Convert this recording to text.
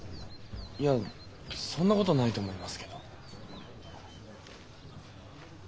いやそんな事ないと思いますけど。